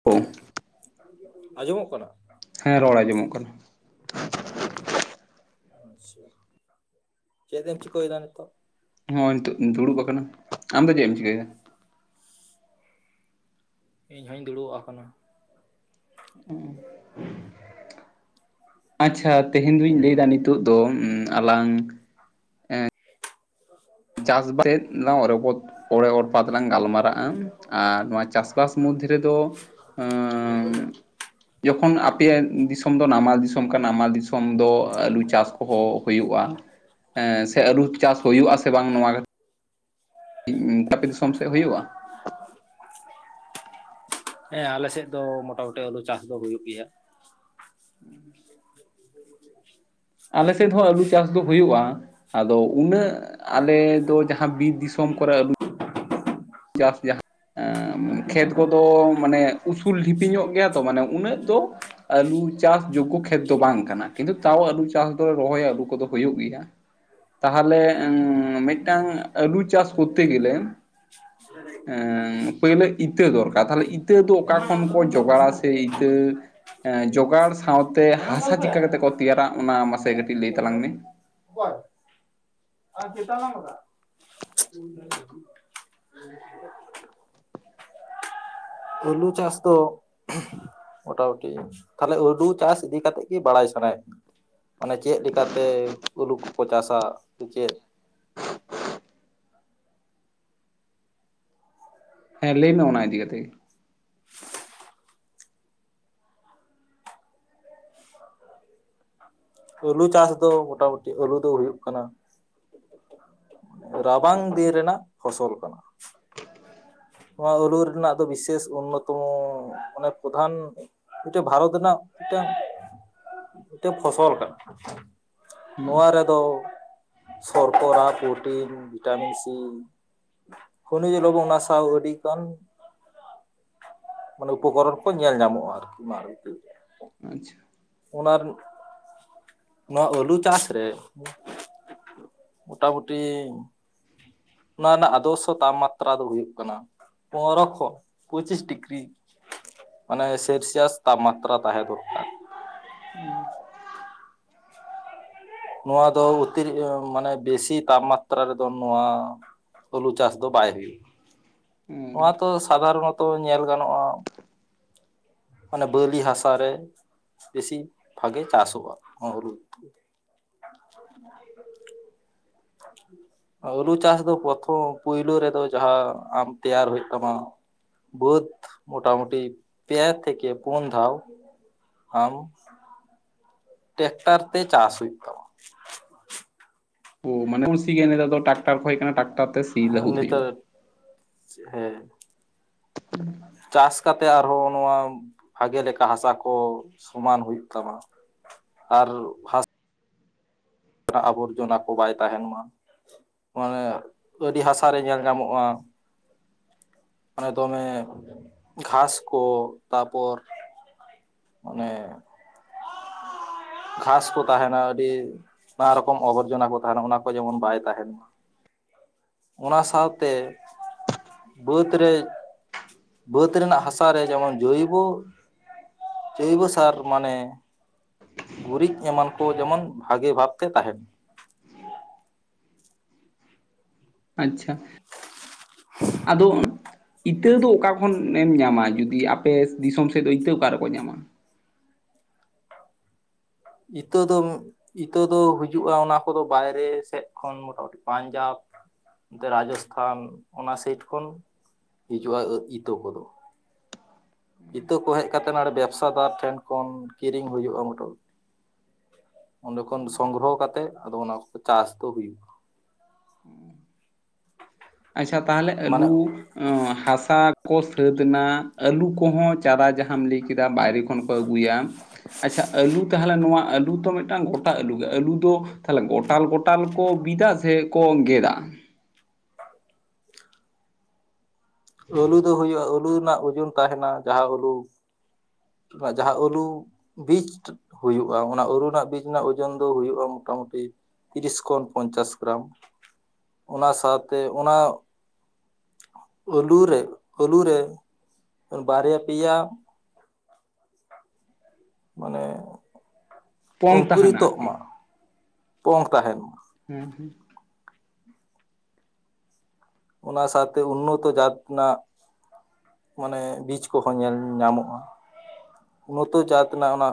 [unintelligible] ᱟᱸᱡᱚᱢᱚᱜ ᱠᱟᱱᱟ᱾ ᱦᱮᱸ ᱨᱚᱲ ᱟᱸᱡᱚᱢᱚᱜ ᱠᱟᱱᱟ᱾ ᱟᱪᱪᱷᱟ ᱪᱮᱫ ᱮᱢ ᱪᱤᱠᱟᱹᱭ ᱫᱟ ᱱᱤᱛᱚᱜ? ᱦᱳᱭ ᱱᱤᱛᱚᱜ ᱤᱧ ᱫᱩᱲᱩᱵ ᱟᱠᱟᱱᱟ᱾ ᱟᱢ ᱫᱚ ᱪᱮᱜ ᱮᱢ ᱪᱤᱠᱟᱹᱭᱫᱟ? ᱤᱧ ᱦᱚᱸᱧ ᱫᱩᱲᱩᱜ ᱟᱠᱟᱱᱟ᱾ ᱟᱪᱪᱷᱟ ᱛᱮᱦᱮᱧ ᱫᱩᱧ ᱞᱟᱹᱭ ᱫᱟ ᱱᱤᱛᱚᱜ ᱫᱚ ᱟᱞᱟᱝ᱾ ᱪᱟᱥᱵᱟ [unintelligible] ᱛᱮᱫ ᱞᱟᱝ ᱨᱚᱯᱚᱫ ᱚᱲᱮ ᱚᱨᱯᱟᱛᱮᱞᱟᱝ ᱜᱟᱞᱢᱟᱨᱟᱜᱼᱟ ᱟᱨ ᱱᱚᱣᱟ ᱪᱟᱥᱵᱟᱥ ᱢᱚᱫᱽᱫᱷᱮ ᱨᱮᱫᱚ ᱟᱸᱻ [unintelligible] ᱡᱚᱠᱷᱚᱱ ᱟᱯᱮᱭᱟᱜ ᱫᱤᱥᱚᱢ ᱫᱚ ᱱᱟᱢᱟᱞ ᱫᱤᱥᱚᱢ ᱠᱟᱱᱟ, ᱱᱟᱢᱟᱞ ᱫᱤᱥᱚᱢ ᱫᱚ᱾ ᱟᱹᱞᱩ ᱪᱟᱥ ᱠᱚᱦᱚᱸ ᱦᱩᱭᱩᱜᱼᱟ᱾ ᱦᱮᱸ ᱥᱮ ᱟᱹᱞᱩ ᱪᱟᱥ ᱦᱩᱭᱩᱜ ᱟᱥᱮ ᱵᱟᱝ ᱱᱚᱣᱟ ᱠᱟ [unintelligible] ᱟᱯᱮ ᱫᱤᱥᱚᱢ ᱥᱮᱜ ᱦᱩᱭᱩᱜᱼᱟ᱾ [inaudible] ᱦᱮᱸ ᱟᱞᱮ ᱥᱮᱜ ᱫᱚ ᱢᱚᱴᱟᱢᱩᱴᱤ ᱟᱞᱩ ᱪᱟᱥ ᱫᱚ ᱦᱩᱭᱩᱜ ᱜᱮᱭᱟ᱾ [inaudible] [inaudible] ᱟᱞᱮ ᱥᱮᱫ ᱦᱚᱸ ᱟᱹᱞᱩ ᱪᱟᱥ ᱫᱚ ᱦᱩᱭᱩᱜᱼᱟ ᱟᱫᱚ ᱩᱱᱟᱹᱜ ᱟᱞᱮᱫᱚ ᱡᱟᱦᱟᱸ ᱵᱤᱨ ᱫᱤᱥᱚᱢ ᱠᱚᱨᱮᱜ ᱟᱞᱩ ᱪᱟᱥ ᱡᱟᱦᱟᱸ ᱠᱷᱮᱛ ᱠᱚᱫᱚ ᱢᱟᱱᱮ ᱩᱥᱩᱞ ᱰᱷᱤᱯᱤ ᱧᱚᱜ ᱜᱮᱭᱟ ᱛᱚ ᱢᱟᱱᱮ ᱩᱱᱟᱹᱜ ᱫᱚ ᱟᱹᱞᱩ ᱪᱟᱥ ᱡᱳᱜᱜᱚ ᱠᱷᱮᱛ ᱫᱚ ᱵᱟᱝ ᱠᱟᱱᱟ ᱠᱤᱱᱛᱩ ᱛᱟᱣ ᱟᱹᱞᱩ ᱪᱟᱥ ᱫᱚ ᱨᱚᱦᱚᱭ ᱟᱹᱞᱩ ᱠᱚᱫᱚ ᱦᱳᱭᱳᱜ ᱜᱮᱭᱟ᱾ [inaudible] ᱛᱟᱦᱚᱞᱮ ᱢᱤᱫᱴᱟᱝ ᱟᱹᱞᱩ ᱪᱟᱥ ᱠᱚᱨᱛᱮ ᱜᱮᱞᱮ [inaudible] ᱮᱸ ᱯᱳᱹᱭᱞᱳ ᱤᱛᱟᱹ ᱫᱚᱨᱠᱟᱨ ᱛᱟᱦᱞᱮ ᱤᱛᱟᱹ ᱫᱚ ᱚᱠᱟ ᱠᱷᱚᱱ ᱠᱚ ᱡᱚᱜᱟᱲᱟ ᱥᱮ ᱤᱛᱟᱹ ᱡᱚᱜᱟᱲ ᱥᱟᱶᱛᱮ ᱦᱟᱥᱟ ᱪᱤᱠᱟ ᱠᱟᱛᱮᱜ ᱠᱚ ᱛᱮᱭᱟᱨᱟ ᱚᱱᱟ ᱢᱟᱥᱮ ᱠᱟᱹᱴᱤᱡ ᱞᱟᱹᱭ ᱛᱟᱞᱟᱝ ᱢᱮ᱾ [inaudible] ᱟᱨ ᱪᱮᱛᱟᱱ ᱞᱟᱝ ᱵᱟᱜᱟᱜᱼᱟ᱾ ᱟᱞᱩ ᱪᱟᱥ ᱫᱚ ᱢᱚᱴᱟ ᱢᱩᱴᱤ ᱛᱟᱦᱚᱞᱮ ᱟᱹᱞᱩ ᱪᱟᱥ ᱤᱫᱤ ᱠᱟᱛᱮᱜ ᱜᱮ ᱵᱟᱲᱟᱭ ᱥᱟᱱᱟᱭᱮᱫ ᱚᱱᱮ ᱪᱮᱫ ᱞᱮᱠᱟᱛᱮ ᱟᱹᱞᱩ ᱠᱚᱠᱚ ᱪᱟᱥᱟ ᱥᱮ ᱪᱮᱫ ᱦᱮᱸ ᱞᱟᱹᱭ ᱢᱮ ᱚᱱᱟ ᱤᱫᱤ ᱠᱟᱛᱮ ᱜᱮ? ᱟᱹᱞᱩ ᱪᱟᱥ ᱫᱚ ᱢᱚᱴᱟ ᱢᱩᱴᱤ ᱟᱹᱞᱩ ᱫᱚ ᱦᱩᱭᱩᱜ ᱠᱟᱱᱟ ᱨᱟᱵᱟᱝ ᱫᱤᱱ ᱨᱮᱱᱟᱜ ᱯᱷᱚᱥᱚᱞ ᱠᱟᱱᱟ᱾ ᱱᱚᱣᱟ ᱟᱹᱞᱩ ᱨᱮᱱᱟᱜ ᱫᱚ ᱵᱤᱥᱮᱥ ᱩᱱᱚᱛᱚᱢᱚ ᱢᱟᱱᱮ ᱯᱨᱚᱫᱷᱟᱱ ᱢᱤᱫᱴᱮᱱ ᱵᱷᱟᱨᱚᱛ ᱨᱮᱱᱟᱜ ᱢᱤᱫᱴᱟᱝ, ᱢᱤᱫᱴᱮᱱ ᱯᱷᱚᱥᱚᱞ ᱠᱟᱱᱟ᱾ ᱱᱚᱣᱟ ᱨᱮᱫᱚ, ᱥᱚᱨᱚᱠᱚᱨᱟ ᱯᱨᱚᱴᱤᱱ ᱵᱷᱤᱴᱟᱢᱤᱱ ᱥᱤ ᱦᱚᱱᱤᱡ ᱞᱚᱵᱚ ᱚᱱᱟ [unintelligible] ᱢᱟᱱᱮ ᱩᱯᱚᱠᱚᱨᱚᱱ ᱠᱚ ᱧᱮᱞ ᱧᱟᱢᱚᱜᱼᱟ ᱟᱨᱠᱤ [unintelligible] ᱟᱪᱪᱷᱟ ᱚᱱᱟ ᱨᱮᱱ ᱱᱚᱣᱟ ᱟᱹᱞᱩ ᱪᱟᱥ ᱨᱮ, ᱢᱚᱴᱟᱢᱩᱴᱤ ᱚᱱᱟ ᱨᱮᱱᱟᱜ ᱟᱫᱚᱨᱥᱚ ᱛᱟᱯᱢᱟᱛᱨᱟ ᱫᱚ ᱦᱩᱭᱩᱜ ᱠᱟᱱᱟ ᱯᱚᱱᱨᱚ ᱠᱷᱚᱱ ᱯᱚᱸᱪᱤᱥ ᱰᱤᱜᱨᱤ, ᱢᱟᱱᱮ ᱥᱮᱞᱥᱤᱭᱟᱥ ᱛᱯᱢᱟᱛᱨᱟ ᱛᱟᱦᱮᱸ ᱫᱚᱨᱠᱟᱨ᱾ [unintelligible] ᱱᱚᱣᱟ ᱫᱚ ᱚᱛᱤᱨ ᱢᱟᱱᱮ ᱵᱮᱥᱤ ᱛᱟᱯᱢᱟᱛᱨᱟ ᱨᱮᱫᱚ ᱱᱚᱣᱟ ᱟᱹᱞᱩ ᱪᱟᱥ ᱫᱚ ᱵᱟᱭ ᱦᱩᱭᱩᱜᱼᱟ᱾ ᱦᱮᱸ ᱱᱚᱣᱟᱛᱚ ᱥᱟᱫᱷᱟᱨᱚᱱᱚᱛᱚ ᱧᱮᱞ ᱜᱟᱱᱚᱜᱼᱟ ᱢᱟᱱᱮ ᱵᱟᱹᱞᱤ ᱦᱟᱥᱟ ᱨᱮ ᱵᱮᱥᱤ ᱵᱷᱟᱜᱮ ᱪᱟᱥᱚᱜᱼᱟ ᱟᱞᱩ᱾ [unintelligible] ᱟᱹᱞᱩ ᱪᱟᱥ ᱫᱚ ᱯᱨᱚᱛᱷᱚᱢ ᱯᱳᱭᱞᱳ ᱨᱮᱫᱚ ᱡᱟᱦᱟᱸ ᱟᱢ ᱛᱮᱭᱟᱨ ᱦᱩᱭᱩᱜ ᱛᱟᱢᱟ, ᱵᱟᱹᱫ ᱢᱳᱴᱟᱢᱩᱴᱤ ᱯᱮ ᱛᱷᱮᱠᱮ ᱯᱩᱱ ᱫᱷᱟᱣ ᱴᱮᱠᱴᱟᱨ ᱛᱮ ᱪᱟᱥ ᱦᱩᱭᱩᱜ ᱛᱟᱢ ᱚ ᱢᱟᱱᱮ ᱯᱩ ᱥᱤ ᱱᱮᱛᱟᱨ ᱫᱚ ᱴᱨᱟᱠᱴᱟᱨ ᱠᱚ ᱦᱮᱡ ᱠᱟᱱᱟ ᱴᱨᱟᱠᱴᱟᱨ ᱛᱮ ᱥᱤ ᱞᱟᱹᱦᱩᱫ ᱦᱩᱭᱩᱜᱼᱟ᱾ ᱱᱮᱛᱟᱨ ᱦᱮᱸ [inaudible] ᱪᱟᱥ ᱠᱟᱛᱮᱜ ᱟᱨᱦᱚᱸ ᱱᱚᱣᱟ ᱵᱷᱟᱜᱮ ᱞᱮᱠᱟ ᱦᱟᱥᱟ ᱠᱚ ᱥᱚᱢᱟᱱ ᱦᱩᱭᱩᱜ ᱛᱟᱢᱟ᱾ ᱟᱨ ᱦᱟᱥ ᱱᱟᱜ ᱟᱵᱚᱨᱡᱚᱱᱟ ᱠᱚ ᱵᱟᱭ ᱛᱟᱦᱮᱱ ᱢᱟ ᱢᱟᱱᱮ ᱟᱹᱰᱤ ᱦᱟᱥᱟ ᱨᱮ ᱧᱮᱞ ᱧᱟᱢᱚᱜᱼᱟ, ᱢᱟᱱᱮ ᱫᱚᱢᱮ ᱜᱷᱟᱥ ᱠᱚ ᱛᱟᱨᱯᱚᱨ ᱢᱟᱱᱮ ᱜᱷᱟᱥ ᱠᱚ ᱛᱟᱦᱮᱱᱟ ᱟᱹᱰᱤ ᱵᱟᱨ ᱨᱚᱠᱚᱢ ᱟᱵᱚᱨᱡᱚᱱᱟ ᱠᱚ ᱛᱟᱦᱮᱱᱟ ᱚᱱᱟ ᱠᱚ ᱡᱮᱢᱚᱱ ᱵᱟᱭ ᱛᱟᱦᱮᱱ ᱢᱟ᱾ ᱚᱱᱟ ᱥᱟᱶᱛᱮ ᱵᱟᱹᱫᱽ ᱨᱮ ᱵᱟᱹᱫᱽ ᱨᱮᱱᱟᱜ ᱦᱟᱥᱟ ᱨᱮ ᱡᱮᱢᱚᱱ ᱡᱳᱭᱵᱚ ᱡᱚᱭᱵᱚ ᱥᱟᱨ ᱢᱟᱱᱮ ᱜᱩᱨᱤᱡ ᱮᱢᱟᱱ ᱠᱚ ᱡᱮᱢᱚᱱ ᱵᱷᱟᱜᱤ ᱵᱷᱟᱵᱛᱮ ᱛᱟᱦᱮᱱ ᱢᱟ᱾ ᱟᱪᱪᱷᱟ ᱟᱫᱚ ᱤᱛᱟᱹ ᱫᱚ ᱚᱠᱟ ᱠᱷᱚᱱᱮᱢ ᱧᱟᱢᱟ ᱡᱩᱫᱤ ᱟᱯᱮ ᱫᱤᱥᱚᱢ ᱥᱮᱫ ᱫᱚ ᱤᱛᱟᱹ ᱚᱠᱟ ᱨᱮᱠᱚ ᱧᱟᱢᱟ? ᱤᱛᱟ ᱫᱚ ᱤᱛᱟᱹ ᱫᱚ ᱦᱤᱡᱩᱜᱼᱟ ᱚᱱᱟ ᱠᱚᱫᱚ ᱵᱟᱭᱨᱮ ᱥᱮᱫ ᱠᱷᱚᱱ ᱢᱚᱴᱟᱢᱩᱴᱤ ᱯᱟᱧᱡᱟᱵᱽ ᱮᱱᱛᱮ ᱨᱟᱡᱚᱥᱛᱷᱟᱱ ᱚᱱᱟ ᱥᱮᱟᱭᱤᱴ ᱠᱷᱚᱱ ᱦᱤᱡᱩᱜᱼᱟ ᱤᱛᱟᱹ ᱠᱚᱫᱚ᱾ ᱤᱛᱟᱹ ᱠᱚ ᱦᱮᱡ ᱠᱟᱛᱮ ᱱᱚᱸᱰᱮ ᱵᱮᱵᱽᱥᱟᱫᱟᱨ ᱴᱷᱮᱱ ᱠᱷᱚᱱ ᱠᱤᱨᱤᱧ ᱦᱩᱭᱩᱜᱼᱟ ᱢᱚᱴᱟᱢᱩᱴᱤ ᱚᱸᱰᱮ ᱠᱷᱚᱱ ᱥᱚᱝᱜᱨᱚᱦᱚ ᱠᱟᱛᱮᱫ ᱟᱫᱚ ᱚᱱᱟ ᱠᱚ ᱪᱟᱥ ᱫᱚ ᱦᱩᱭᱩᱜᱼᱟ᱾ ᱟᱪᱪᱷᱟ ᱛᱟᱦᱚᱞᱮ ᱢᱟᱱᱮ ᱟᱞᱩ ᱦᱟᱥᱟ ᱠᱚ ᱥᱟᱹᱛ ᱮᱱᱟ, ᱟᱹᱞᱩ ᱠᱚᱦᱚᱸ ᱪᱟᱨᱟ ᱡᱟᱦᱟᱸᱢ ᱞᱟᱹᱭ ᱠᱮᱫᱟ ᱵᱟᱭᱨᱮ ᱠᱚ ᱠᱷᱚᱱ ᱠᱚ ᱟᱹᱜᱩᱭᱟ ᱟᱪᱪᱷᱟ ᱟᱹᱞᱩ ᱛᱟᱦᱚᱞᱮ ᱱᱚᱣᱟ ᱟᱞᱩ ᱟᱹᱞᱩ ᱫᱚ ᱢᱤᱫᱴᱟᱝ ᱜᱚᱴᱟ ᱟᱹᱞᱩ ᱜᱮ ᱟᱹᱞᱩ ᱫᱚ ᱛᱟᱦᱚᱞᱮ ᱜᱚᱴᱟᱞ ᱜᱚᱴᱟᱞ ᱠᱚ ᱵᱤᱫᱟ ᱥᱮ ᱠᱚ ᱜᱮᱫᱟ? ᱟᱹᱞᱩ ᱫᱚ ᱦᱩᱭᱩᱜᱼᱟ ᱟᱹᱞᱩ ᱨᱮᱱᱟᱜ ᱳᱡᱚᱱ ᱛᱟᱦᱮᱱᱟ ᱡᱟᱦᱟᱸ ᱟᱹᱞᱩ ᱡᱟᱦᱟᱸ ᱟᱹᱞᱩ ᱵᱤᱡ ᱦᱩᱭᱩᱜᱼᱟ ᱚᱱᱟ ᱟᱞᱩ ᱨᱮᱱᱟᱜ ᱵᱤᱡ ᱨᱮᱱᱟᱜ ᱳᱡᱚᱱ ᱫᱚ ᱦᱩᱭᱩᱜᱼᱟ ᱢᱚᱴᱟᱢᱩᱴᱤ ᱛᱤᱨᱤᱥ ᱠᱷᱚᱱ ᱯᱚᱧᱪᱟᱥ ᱜᱨᱟᱢ ᱚᱱᱟ ᱥᱟᱶᱛᱮ ᱚᱱᱟ ᱟᱹᱞᱩ ᱨᱮ ᱟᱹᱞᱩ ᱨᱮ ᱵᱟᱨᱭᱟ ᱯᱮᱭᱟ ᱢᱟᱱᱮ ᱯᱚᱝ ᱛᱟᱦᱮᱱᱟ ᱚᱝᱠᱩᱨᱤᱛᱚᱜ ᱟᱨᱠᱤ ᱢᱟ ᱯᱚᱝ ᱛᱟᱦᱮᱱ ᱢᱟ᱾ ᱦᱩᱸ ᱚᱱᱟ ᱥᱟᱶᱛᱮ ᱩᱱᱱᱚᱛᱚ ᱡᱟᱛ ᱨᱮᱱᱟᱜ ᱢᱟᱱᱮ ᱵᱤᱪ ᱠᱚᱦᱚᱸ ᱧᱮᱞ ᱧᱟᱢᱚᱜᱼᱟ᱾ ᱩᱱᱱᱚᱛᱚ ᱡᱟᱛ ᱨᱮᱱᱟᱜ ᱚᱱᱟ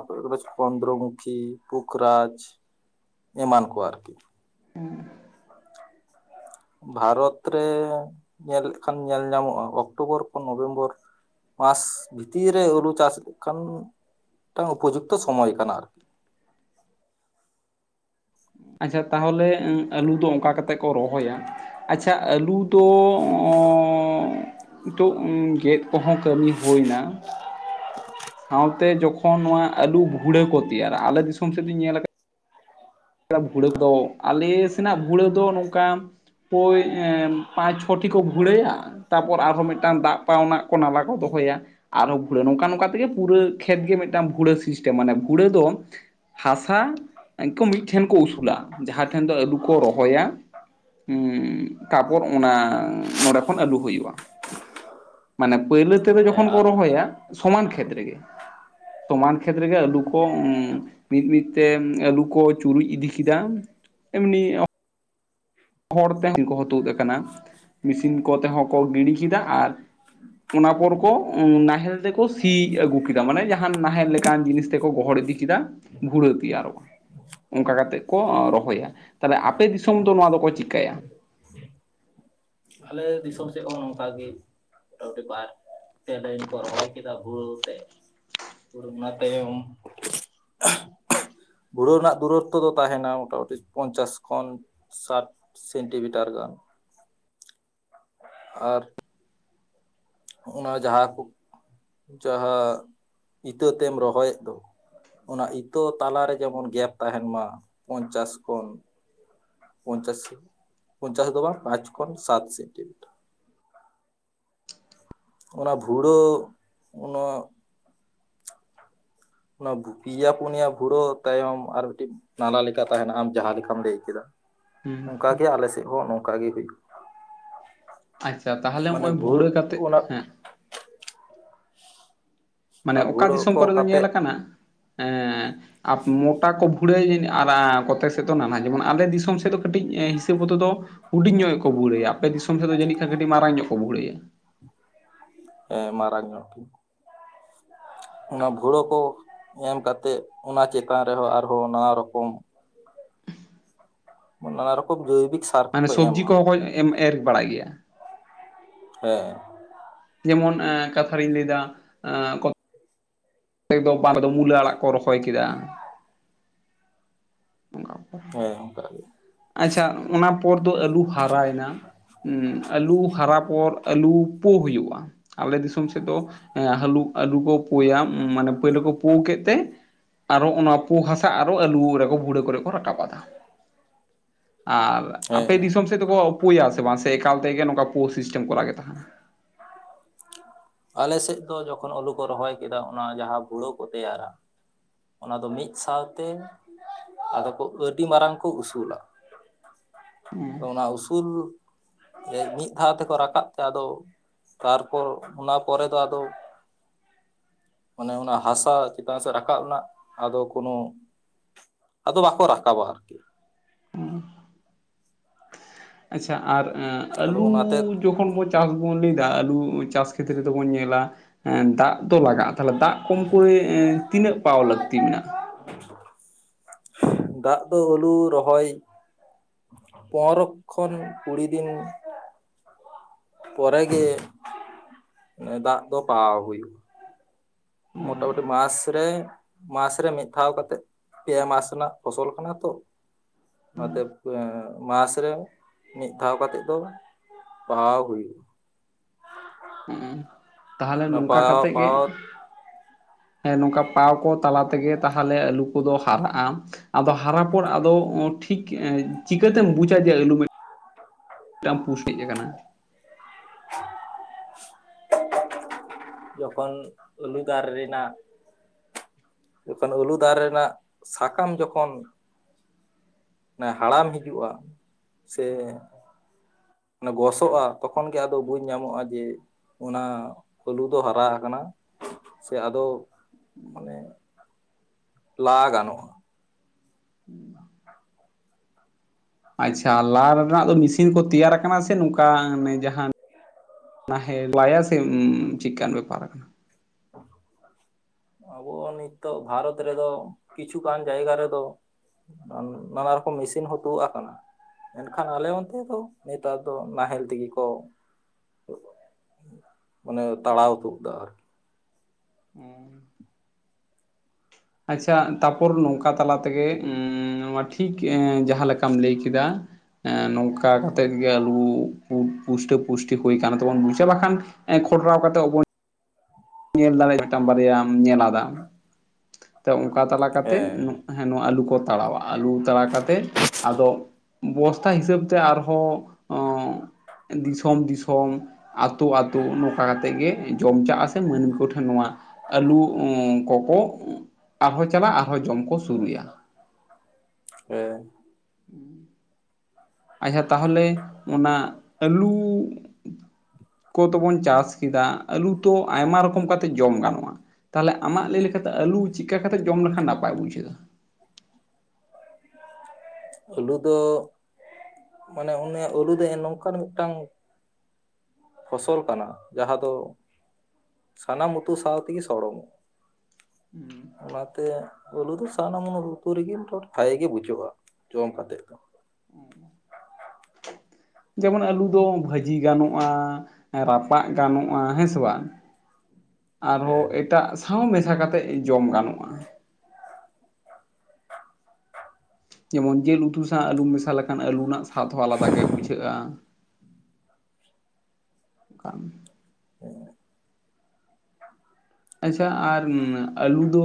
ᱪᱚᱱᱫᱨᱚᱢᱩᱠᱷᱤ ᱯᱩᱠᱷᱨᱟᱡᱽ ᱮᱢᱟᱱ ᱠᱚ ᱟᱨᱠᱤ᱾ ᱵᱷᱟᱨᱚᱛ ᱨᱮ ᱧᱮᱞᱮᱫ ᱠᱷᱟᱱ ᱧᱮᱞ ᱧᱟᱢᱚᱜᱼᱟ ᱚᱠᱴᱳᱵᱚᱨ ᱠᱷᱚᱱ ᱱᱚᱵᱷᱮᱢᱵᱚᱨ ᱢᱟᱥ ᱵᱷᱤᱛᱤᱨ ᱨᱮ ᱟᱹᱞᱩ ᱪᱟᱥ ᱞᱮᱠᱷᱟᱱ ᱢᱤᱫᱴᱟᱝ ᱩᱯᱚᱡᱩᱠᱛᱚ ᱥᱚᱢᱚᱭ ᱠᱟᱱᱟ᱾ ᱟᱪᱪᱷᱟ ᱛᱟᱦᱚᱞᱮ ᱟᱹᱞᱩ ᱫᱚ ᱚᱱᱠᱟ ᱠᱟᱛᱮᱫ ᱠᱚ ᱨᱚᱦᱚᱭᱟ ᱟᱪᱪᱷᱟ ᱟᱹᱞᱩ ᱫᱚ [inaudible] ᱱᱤᱛᱚᱜ ᱜᱮᱫ ᱠᱚᱦᱚᱸ ᱠᱟᱹᱢᱤ ᱦᱩᱭ ᱮᱱᱟ ᱥᱟᱶᱛᱮ ᱡᱚᱠᱷᱚᱱ ᱱᱚᱣᱟ ᱟᱹᱞᱩ ᱵᱷᱩᱲᱟᱹ ᱠᱚ ᱛᱮᱭᱟᱨᱟ ᱟᱞᱮ ᱫᱤᱥᱚᱢ ᱥᱮᱫ ᱤᱧ ᱧᱮᱞ ᱠᱟᱫ [inaudible] ᱵᱷᱩᱲᱟᱹ ᱫᱚ ᱟᱞᱮ ᱥᱮᱱᱟᱜ ᱵᱷᱩᱲᱟᱹ ᱫᱚ ᱱᱚᱝᱠᱟᱱ ᱯᱳᱭ ᱯᱟᱸᱪ ᱪᱷᱚᱴᱤ ᱠᱚ ᱵᱷᱩᱲᱟᱹᱭᱟ, ᱛᱟᱯᱚᱨ ᱟᱨᱦᱚᱸ ᱢᱤᱫᱴᱟᱝ ᱫᱟᱜ ᱯᱟᱣᱱᱟ ᱠᱚ ᱱᱟᱞᱟ ᱠᱚ ᱫᱚᱦᱚᱭᱟ ᱟᱨᱦᱚᱸ ᱵᱷᱩᱲᱟᱹ ᱱᱚᱝᱠᱟ ᱱᱚᱝᱠᱟ ᱛᱮᱜᱮ ᱯᱩᱨᱟᱹ ᱠᱷᱮᱛ ᱜᱮ ᱢᱤᱫᱴᱟᱱ ᱵᱷᱩᱲᱟᱹ ᱥᱤᱥᱴᱮᱢ ᱢᱟᱱᱮ ᱵᱷᱩᱲᱟᱹ ᱫᱚ ᱦᱟᱥᱟ ᱠᱚ ᱢᱤᱫ ᱴᱷᱮᱱ ᱠᱚ ᱩᱥᱩᱞᱟ ᱡᱟᱦᱟᱸ ᱴᱷᱮᱱ ᱫᱚ ᱟᱹᱞᱩ ᱠᱚ ᱨᱚᱦᱚᱭᱟ᱾ ᱦᱩᱸ ᱛᱟᱨᱯᱚᱨ ᱚᱱᱟ ᱱᱚᱸᱰᱮ ᱠᱷᱚᱱ ᱟᱹᱞᱩ ᱦᱩᱭᱩᱜᱼᱟ᱾ ᱢᱟᱱᱮ ᱯᱟᱹᱭᱞᱟᱹ ᱛᱮᱫᱚ ᱡᱚᱠᱷᱚᱱ ᱠᱚ ᱨᱚᱦᱚᱭᱟ ᱥᱚᱢᱟᱱ ᱠᱷᱮᱛ ᱨᱮᱜᱮ᱾ ᱥᱚᱢᱟᱱ ᱠᱷᱮᱛ ᱨᱮᱜᱮ ᱟᱹᱞᱩ ᱠᱚ ᱢᱤᱫ ᱢᱤᱫ ᱛᱮ ᱟᱹᱞᱩ ᱠᱚ ᱪᱩᱨᱩᱡ ᱤᱫᱤ ᱠᱮᱫᱟ ᱮᱢᱱᱤ ᱦᱚᱲ ᱛᱮᱦᱚᱸ [inaudible] ᱠᱚᱦᱚᱸ ᱛᱳᱫ ᱠᱟᱱᱟ ᱢᱮᱥᱤᱱ ᱠᱚᱛᱮᱦᱚᱸ ᱠᱚ ᱜᱤᱰᱤ ᱠᱮᱫᱟ ᱟᱨ ᱚᱱᱟ ᱯᱚᱨ ᱠᱚ ᱱᱟᱦᱮᱞ ᱛᱮᱠᱚ ᱥᱤ ᱟᱹᱜᱩ ᱠᱮᱫᱟ ᱢᱟᱱᱮ ᱡᱟᱦᱟᱱ ᱱᱟᱦᱮᱞ ᱞᱮᱠᱟᱱ ᱡᱤᱱᱤᱥ ᱛᱮᱠᱚ ᱜᱚᱦᱚᱲ ᱤᱫᱤ ᱠᱮᱫᱟ ᱵᱷᱩᱲᱟᱹ ᱛᱮᱭᱟᱨᱚᱜᱼᱟ ᱚᱱᱠᱟ ᱠᱟᱛᱮᱫ ᱠᱚ ᱨᱚᱦᱚᱭᱟ ᱾ ᱛᱟᱦᱚᱞᱮ ᱟᱯᱮ ᱫᱤᱥᱚᱢ ᱫᱚ ᱱᱚᱣᱟ ᱫᱚᱠᱚ ᱪᱤᱠᱟᱹᱭᱟ? ᱟᱞᱮ ᱫᱤᱥᱚᱢ ᱥᱮᱫ ᱦᱚᱸ ᱱᱚᱝᱠᱟ ᱜᱮ ᱢᱚᱴᱟᱢᱩᱴᱤ ᱵᱟᱨ ᱯᱮ ᱞᱟᱭᱤᱱ ᱠᱚ ᱨᱚᱦᱚᱭ ᱠᱮᱫᱟ ᱵᱷᱤᱲᱟᱹ ᱟᱛᱮ ᱵᱷᱩᱲᱟᱹ ᱚᱱᱟ ᱛᱟᱭᱚᱢ ᱫᱷᱩᱲᱟᱹᱣ ᱨᱮᱱᱟᱜ ᱫᱩᱨᱚᱛᱛᱚ ᱫᱚ ᱛᱟᱦᱮᱱᱟ ᱢᱚᱴᱟᱢᱩᱴᱤ ᱯᱚᱧᱪᱟᱥ ᱠᱷᱚᱱ ᱥᱟᱴ ᱥᱮᱱᱴᱤᱢᱤᱴᱟᱨ ᱜᱟᱱ᱾ ᱟᱨ ᱱᱚᱜᱼᱚᱭ ᱱᱟ ᱡᱟᱦᱟᱸ ᱠᱚ, ᱡᱟᱦᱟᱸ ᱤᱛᱟᱹ ᱛᱮᱢ ᱨᱚᱦᱚᱭᱮᱫ ᱫᱚ᱾ ᱚᱱᱟ ᱤᱛᱟᱹ ᱛᱟᱞᱟᱨᱮ ᱡᱮᱢᱚᱱ ᱜᱮᱯ ᱛᱟᱦᱮᱱ ᱢᱟ ᱯᱚᱧᱪᱟᱥ ᱠᱷᱚᱱ ᱯᱚᱧᱪᱟᱥᱤ ᱯᱚᱧᱪᱟᱥ ᱫᱚ ᱵᱟᱝ ᱯᱟᱸᱪ ᱠᱷᱚᱱ ᱥᱟᱛ ᱥᱮᱱᱴᱤᱢᱤᱴᱟᱨ᱾ ᱚᱱᱟ ᱵᱷᱩᱲᱟᱹᱣ ᱚᱱᱟ ᱚᱱᱟ ᱵᱷᱩ ᱯᱮᱭᱟ ᱯᱩᱱᱭᱟ ᱵᱷᱩᱲᱟᱹᱣ ᱛᱟᱭᱚᱢ ᱟᱨ ᱢᱤᱫᱴᱮᱱ ᱱᱟᱞᱟ ᱞᱮᱠᱟ ᱛᱟᱦᱮᱱᱟ ᱟᱢ ᱡᱟᱦᱟᱸ ᱞᱮᱠᱟᱢ ᱞᱟᱹᱭ ᱠᱮᱫᱟ᱾ ᱦᱩᱸ ᱚᱱᱠᱟᱜᱮ ᱟᱞᱮ ᱥᱮᱫ ᱦᱚᱸ ᱱᱚᱝᱠᱟ ᱜᱮ ᱦᱩᱭᱩᱜᱼᱟ᱾ ᱟᱪᱪᱷᱟ ᱛᱟᱦᱚᱞᱮ ᱦᱚᱜᱼᱚᱭ ᱵᱷᱩᱲᱟᱹ ᱠᱟᱛᱮᱫ ᱦᱮᱸ᱾ ᱢᱟᱱᱮ ᱚᱱᱟ ᱚᱠᱟ ᱵᱷᱩᱲᱟᱹ ᱫᱤᱥᱚᱢ ᱠᱚ ᱠᱚᱨᱮ ᱫᱚ ᱧᱮᱞ ᱠᱟᱛᱮᱜ ᱠᱟᱱᱟ ᱮᱻ ᱟᱨ ᱢᱚᱴᱟ ᱠᱚ ᱵᱷᱩᱲᱟᱹᱭ ᱟᱨ ᱠᱚᱛᱮ ᱥᱮᱫ ᱫᱚ ᱱᱟᱱᱦᱟ ᱡᱮᱢᱚᱱ ᱟᱞᱮ ᱫᱤᱥᱚᱢ ᱥᱮᱫ ᱫᱚ ᱠᱟᱹᱴᱤᱡ ᱦᱤᱥᱟᱹᱵᱽ ᱢᱚᱛᱚ ᱫᱚ ᱦᱩᱰᱤᱧ ᱧᱚᱜ ᱠᱚ ᱵᱷᱩᱲᱟᱹᱭᱟ᱾ ᱟᱯᱮ ᱫᱤᱥᱚᱢ ᱥᱮᱫ ᱫᱚ ᱡᱟᱹᱱᱤᱡ ᱠᱷᱟᱱ ᱠᱟᱹᱴᱤᱡ ᱢᱟᱨᱟᱝ ᱧᱚᱜ ᱠᱚ ᱵᱷᱩᱲᱟᱹᱭᱟ᱾ ᱦᱮᱸ ᱢᱟᱨᱟᱝ ᱧᱚᱜ ᱜᱮ᱾ ᱚᱱᱟ ᱵᱷᱩᱲᱟᱹ ᱠᱚ ᱮᱢ ᱠᱟᱛᱮᱜ, ᱚᱱᱟ ᱪᱮᱛᱟᱱ ᱨᱮᱦᱚᱸ ᱟᱨᱦᱚᱸ ᱱᱟᱱᱟ ᱨᱚᱠᱚᱢ ᱢᱟᱱᱮ ᱱᱟᱱᱟ ᱨᱚᱠᱚᱢ ᱜᱟᱹᱭᱵᱤᱠᱥ ᱢᱟᱱᱮ ᱥᱚᱵᱽᱡᱤ ᱠᱚᱦᱚᱸ ᱠᱚ ᱮᱢ ᱮᱨ ᱵᱟᱲᱟᱭ ᱜᱮᱭᱟ ᱾ ᱦᱮᱸ ᱾ ᱡᱮᱢᱚᱱ ᱮᱸ ᱠᱟᱛᱷᱟ ᱨᱤᱧ ᱞᱟᱹᱭᱫᱟ, ᱮᱸ ᱠᱚᱛ [unintelligible] ᱫᱚ ᱵᱟᱲ ᱨᱮᱫᱚ ᱢᱩᱞᱟᱹ ᱟᱲᱟᱜ ᱠᱚ ᱨᱚᱦᱚᱭ ᱠᱮᱫᱟ ᱾ [unintelligible] ᱦᱮᱸ ᱚᱱᱠᱟ ᱜᱮ᱾ ᱟᱪᱪᱷᱟ ᱚᱱᱟ ᱯᱚᱨ ᱫᱚ ᱟᱹᱞᱩ ᱦᱟᱨᱟᱭᱮᱱᱟ ᱾ ᱮᱸ ᱟᱹᱞᱩ ᱦᱟᱨᱟ ᱯᱚᱨ ᱟᱹᱞᱩ ᱯᱳ ᱦᱩᱭᱩᱜᱼᱟ ᱾ ᱟᱞᱮ ᱫᱤᱥᱚᱢ ᱥᱮᱫ ᱫᱚ ᱮᱸ ᱦᱟᱹᱞᱩ ᱟᱹᱞᱩ ᱠᱚ ᱯᱳᱭᱟ ᱢᱟᱱᱮ ᱯᱳᱭᱞᱳ ᱠᱚ ᱯᱳ ᱠᱮᱫ ᱛᱮ, ᱟᱨᱚ ᱚᱱᱟ ᱯᱩ ᱦᱟᱥᱟ ᱟᱨᱚ ᱟᱹᱞᱩ ᱨᱮ ᱵᱷᱩᱲᱟᱹ ᱠᱚᱨᱮ ᱠᱚ ᱨᱟᱠᱟᱵ ᱟᱫᱟ ᱾ ᱟᱨ ᱟᱯᱮ ᱦᱮᱸ ᱫᱤᱥᱚᱢ ᱥᱮᱫ ᱫᱚᱠᱚ ᱯᱳᱭᱟ ᱥᱮ ᱵᱟᱝ ᱥᱮ ᱮᱠᱟᱞ ᱛᱮᱜᱮ ᱱᱚᱝᱠᱟ ᱯᱳ ᱥᱤᱥᱴᱮᱢ ᱠᱚᱨ ᱜᱮ ᱛᱟᱦᱮᱱᱟ? ᱟᱞᱮ ᱥᱮᱫ ᱫᱚ ᱡᱚᱠᱷᱚᱱ ᱟᱞᱩ ᱠᱚ ᱨᱚᱦᱚᱭ ᱠᱮᱫᱟ ᱚᱱᱟ ᱡᱟᱦᱟᱸ ᱵᱷᱩᱲᱟᱹ ᱠᱚ ᱛᱮᱭᱟᱨᱟ᱾ ᱚᱱᱟ ᱫᱚ ᱢᱤᱫ ᱥᱟᱶᱛᱮ, ᱟᱫᱚ ᱠᱚ ᱟᱹᱰᱤ ᱢᱟᱨᱟᱝ ᱠᱚ ᱩᱥᱩᱞᱟ ᱾ ᱚᱱᱟ ᱩᱥᱩᱞ ᱮᱜ ᱢᱤᱫ ᱫᱷᱟᱣ ᱛᱮᱠᱚ ᱨᱟᱠᱟᱵ ᱛᱮ ᱟᱫᱚ, ᱛᱟᱨᱯᱚᱨ ᱚᱱᱟ ᱯᱚᱨᱮ ᱫᱚ ᱟᱫᱚ, ᱢᱟᱱᱮ ᱚᱱᱟ ᱦᱟᱥᱟ ᱪᱮᱛᱟᱱ ᱥᱮᱫ ᱨᱟᱠᱟᱵ ᱨᱮᱱᱟᱜ ᱟᱫᱚ ᱠᱳᱱᱚ ᱟᱫᱚ ᱵᱟᱠᱚ ᱨᱟᱠᱟᱵᱟ ᱟᱨᱠᱤ ᱾ ᱟᱪᱪᱷᱟ ᱟᱨ ᱮᱸ ᱟᱫᱚ ᱟᱹᱞᱩ, ᱚᱱᱟᱛᱮ ᱡᱚᱠᱷᱚᱱ ᱵᱚᱱ ᱪᱟᱥ ᱵᱚᱱ ᱞᱟᱹᱭ ᱮᱫᱟ, ᱟᱹᱞᱩ ᱪᱟᱥ ᱠᱷᱮᱛ ᱨᱮᱫᱚ ᱵᱚᱱ ᱧᱮᱞᱟ ᱾ ᱮᱸ ᱫᱟᱜ ᱫᱚ ᱞᱟᱜᱟᱜᱼᱟ᱾ ᱛᱟᱦᱞᱮ ᱫᱟᱜ ᱠᱚᱢ ᱠᱚᱨᱮ ᱛᱤᱱᱟᱹᱜ ᱯᱟᱣ ᱞᱟᱹᱠᱛᱤ ᱢᱮᱱᱟᱜᱼᱟ? ᱫᱟᱜ ᱫᱚ ᱟᱹᱞᱩ ᱨᱚᱦᱚᱭ, ᱯᱚᱱᱨᱚᱠᱷᱚᱱ ᱠᱩᱲᱤ ᱫᱤᱱ, ᱯᱚᱨᱮ ᱜᱮ ᱫᱟᱜ ᱫᱚ ᱯᱟᱣ ᱦᱩᱭᱩᱜᱼᱟ ᱾ ᱢᱚᱴᱟᱢᱩᱴᱤ ᱢᱟᱥ ᱨᱮ, ᱢᱟᱥ ᱨᱮ ᱢᱤᱫ ᱫᱷᱟᱣ ᱠᱟᱛᱮᱜ ᱾ ᱯᱮᱭᱟ ᱢᱟᱥ ᱨᱮᱱᱟᱜ ᱯᱷᱚᱥᱚᱞ ᱠᱟᱱᱟ ᱛᱚ ᱾ ᱱᱚᱛᱮ ᱢᱟᱥᱨᱮ ᱢᱤᱫ ᱫᱷᱟᱣ ᱠᱟᱛᱮᱜ ᱫᱚ ᱾ ᱯᱟᱣᱟᱹᱣ ᱦᱩᱭᱩᱜ᱾ ᱦᱮᱸ ᱛᱟᱦᱚᱞᱮ ᱚᱱᱟ ᱱᱚᱝᱠᱟ ᱯᱟᱣᱟᱣ ᱠᱟᱛᱮᱜ ᱜᱮ, ᱯᱟᱣᱟᱣ ᱦᱮᱸ ᱱᱚᱝᱠᱟ ᱯᱟᱣ ᱠᱚ ᱛᱟᱞᱟ ᱛᱮᱜᱮ ᱛᱟᱦᱚᱞᱮ ᱟᱹᱞᱩ ᱠᱚᱫᱚ ᱦᱟᱨᱟᱜᱼᱟ ᱾ ᱟᱫᱚ ᱦᱟᱨᱟ ᱯᱚᱨ ᱟᱫᱚ ᱴᱷᱤᱠ ᱪᱤᱠᱟᱹᱛᱮᱢ ᱵᱩᱡᱟ ᱡᱮ ᱟᱹᱞᱩ ᱢᱤᱛ ᱢᱤᱫᱴᱟᱝ ᱯᱳᱥᱴᱤᱜ ᱟᱠᱟᱱᱟ? ᱡᱚᱠᱷᱚᱱ ᱟᱹᱞᱩ ᱫᱟᱨ ᱨᱮᱱᱟᱜ, ᱡᱚᱠᱷᱚᱱ ᱟᱹᱞᱩ ᱫᱟᱨᱮ ᱨᱮᱱᱟᱜ ᱥᱟᱠᱟᱢ ᱡᱚᱠᱷᱚᱱ, ᱦᱟᱲᱟᱢ ᱦᱤᱡᱩᱜᱼᱟ ᱥᱮ, ᱜᱚᱥᱚᱜᱼᱟ ᱛᱚᱠᱷᱚᱱ ᱜᱮ ᱟᱫᱚ ᱵᱩᱡᱽ ᱧᱟᱢᱚᱜᱼᱟ ᱡᱮ ᱚᱱᱟ, ᱟᱹᱞᱩ ᱫᱚ ᱦᱟᱨᱟ ᱟᱠᱟᱱᱟ ᱥᱮ ᱟᱫᱚ ᱢᱟᱱᱮ ᱾ ᱞᱟ ᱜᱟᱱᱚᱜ-ᱟ᱾ ᱟᱪᱪᱷᱟ ᱞᱟ ᱨᱮᱱᱟᱜ ᱫᱚ ᱢᱮᱥᱤᱱ ᱠᱚ ᱛᱮᱭᱟᱨ ᱟᱠᱟᱱᱟ ᱥᱮ ᱱᱚᱝᱠᱟ ᱟᱱᱮ ᱡᱟᱦᱟᱸ, ᱦᱮᱸ ᱞᱟᱭᱟ ᱥᱮ ᱪᱤᱠᱟᱱ ᱵᱮᱯᱟᱨ ᱠᱟᱱᱟ, [unintelligible] ᱟᱵᱚ ᱱᱤᱛᱚᱜ ᱵᱷᱟᱨᱚᱛ ᱨᱮᱫᱚ ᱠᱤᱪᱷᱩᱜᱟᱱ ᱡᱟᱭᱜᱟ ᱨᱮᱫᱚ, ᱱᱟᱱᱟ ᱨᱚᱠᱚᱢ ᱢᱮᱥᱤᱱ ᱦᱚᱸ ᱛᱩᱫ ᱟᱠᱟᱱᱟ ᱾ ᱢᱮᱱᱠᱷᱟᱱ ᱟᱞᱮ ᱚᱱᱛᱮ ᱫᱚ ᱱᱮᱛᱟᱨ ᱫᱚ ᱱᱟᱦᱮᱞ ᱛᱮᱜᱮ ᱠᱚ ᱢᱟᱱᱮ ᱛᱟᱲᱟᱣ ᱛᱩᱫ ᱮᱫᱟ ᱟᱨᱠᱤ ᱾ ᱦᱩᱸ ᱟᱪᱪᱷᱟ ᱛᱟᱨᱯᱚᱨ ᱱᱚᱝᱠᱟ ᱛᱟᱞᱟ ᱛᱮᱜᱮ ᱱᱚᱣᱟ ᱴᱷᱤᱠ ᱡᱟᱦᱟᱸ ᱞᱮᱠᱟᱢ ᱞᱟᱹᱭ ᱠᱮᱫᱟ ᱾ ᱱᱚᱝᱠᱟ ᱠᱟᱛᱮᱜ ᱜᱮ ᱟᱞᱩ ᱯᱩᱥᱴᱟᱹ ᱯᱩᱥᱴᱤ ᱦᱩᱭ ᱠᱟᱱᱟ ᱛᱮᱵᱚᱱ ᱵᱩᱡᱷᱟᱹᱣᱟ ᱵᱟᱠᱷᱟᱱ, ᱠᱷᱚᱴᱨᱟᱣ ᱠᱟᱛᱮ ᱵᱚᱱ, ᱧᱮᱞ ᱫᱟᱲᱮᱭᱟᱜ ᱢᱤᱫᱴᱟᱝ ᱵᱟᱨᱭᱟᱢ ᱧᱮᱞ ᱟᱫᱟ ᱛᱚ ᱚᱱᱠᱟ ᱛᱟᱞᱟ ᱠᱟᱛᱮ ᱦᱮᱸ ᱦᱮᱸ ᱱᱚᱣᱟ ᱟᱹᱞᱩ ᱠᱚ ᱛᱟᱲᱟᱣᱟ ᱟᱹᱞᱩ ᱛᱟᱲᱟᱣ ᱠᱟᱛᱮᱫ ᱟᱫᱚ ᱵᱚᱥᱛᱟ ᱦᱤᱥᱟᱹᱵ ᱛᱮ ᱟᱨᱦᱚᱸ ᱫᱤᱥᱚᱢ ᱫᱤᱥᱚᱢ ᱟᱛᱳ ᱟᱛᱳ ᱱᱚᱝᱠᱟ ᱠᱟᱛᱮᱜ ᱜᱮ ᱡᱚᱢᱪᱟᱥ ᱢᱟᱹᱱᱢᱤ ᱠᱚᱴᱷᱮᱱ ᱱᱚᱣᱟ ᱟᱹᱞᱩ ᱠᱚᱠᱚ ᱟᱨᱦᱚᱸ ᱪᱟᱞᱟᱜᱼᱟ ᱟᱨᱦᱚᱸ ᱡᱚᱢ ᱠᱚ ᱥᱩᱨᱩᱭᱟ᱾ ᱦᱮᱸ ᱟᱪᱪᱷᱟ ᱛᱟᱦᱚᱞᱮ ᱚᱱᱟ ᱟᱹᱞᱩ ᱠᱚᱫᱚ ᱵᱚᱱ ᱪᱟᱥ ᱠᱮᱫᱟ ᱟᱹᱞᱩ ᱛᱚ ᱟᱭᱢᱟ ᱨᱚᱠᱚᱢ ᱠᱟᱛᱮᱫ ᱡᱚᱢ ᱜᱟᱱᱚᱜᱼᱟ᱾ ᱛᱟᱦᱚᱞᱮ ᱟᱢᱟᱜ ᱞᱟᱹᱭ ᱞᱮᱠᱟᱛᱮ ᱟᱹᱞᱩ ᱪᱤᱠᱟ ᱠᱟᱛᱮ ᱡᱚᱢ ᱞᱮᱠᱷᱟᱱ ᱱᱟᱯᱟᱭ ᱵᱩᱡᱷᱟᱹᱜᱼᱟ? ᱟᱹᱞᱩ ᱫᱚ ᱢᱟᱱᱮ ᱩᱱᱤᱭᱟᱜ ᱟᱹᱞᱩ ᱫᱮ ᱱᱚᱝᱠᱟᱱ ᱢᱤᱫᱴᱟᱝ ᱯᱷᱚᱥᱚᱞ ᱠᱟᱱᱟ ᱡᱟᱦᱟᱸ ᱫᱚ, ᱥᱟᱱᱟᱢ ᱩᱛᱩ ᱥᱟᱶ ᱛᱮᱜᱮ ᱥᱚᱲᱚᱢᱚᱜ- ᱟ᱾ ᱚᱱᱟᱛᱮ ᱟᱹᱞᱩ ᱫᱚ ᱥᱟᱱᱟᱢ [unintelligible] [unintelligible] ᱵᱷᱟᱜᱮ ᱜᱮ ᱵᱩᱡᱷᱟᱹᱜᱼᱟ ᱡᱚᱢ ᱠᱟᱛᱮᱜ ᱫᱚ᱾ ᱡᱮᱢᱚᱱ ᱟᱹᱞᱩ ᱫᱚ ᱵᱷᱟᱹᱡᱤ ᱜᱟᱱᱚᱜᱼᱟ ᱨᱟᱯᱟᱜ ᱜᱟᱱᱚᱜᱼᱟ ᱦᱮᱸ ᱥᱮ ᱵᱟᱝ [inaudible] ᱟᱨᱦᱚᱸ ᱮᱴᱟᱜ ᱥᱟᱶ ᱢᱮᱥᱟ ᱠᱟᱛᱮᱫ ᱡᱚᱢ ᱜᱟᱱᱚᱜᱼᱟ᱾ ᱡᱮᱢᱚᱱ ᱡᱮᱞ ᱩᱛᱩ ᱥᱟᱶ ᱟᱹᱞᱩᱢ ᱢᱮᱥᱟ ᱞᱮᱠᱷᱟᱱ ᱟᱹᱞᱩ ᱨᱮᱱᱟᱜ ᱥᱟᱫᱷ ᱦᱚᱸ ᱟᱞᱟᱫᱟ ᱜᱮ ᱵᱩᱡᱷᱟᱹᱜᱼᱟ᱾ [unintelligible] [inaudible] ᱟᱪᱪᱷᱟ ᱟᱨ ᱟᱹᱞᱩ ᱫᱚ